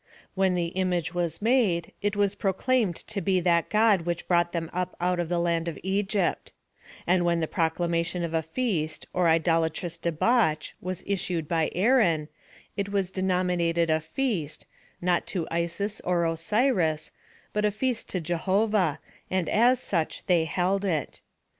Wlien the image was made, it was proclaimed to be that God which brought them up out of the land of Egypt ; and when the proclamation of a feast, or idolatrous debauch, was issued by Aaron, it was de nominated a feast, not to Isis or Osiris, but a feast to Jehovah ; and as such they held it.